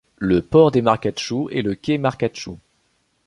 Le port des Marcatchous et le quai Marcatchou.